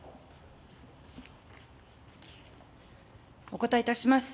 お答えいたします。